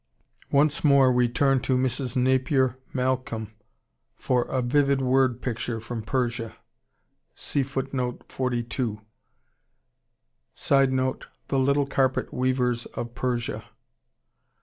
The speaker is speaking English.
Once more we turn to Mrs. Napier Malcolm for a vivid word picture from Persia. [Sidenote: The little carpet weavers of Persia.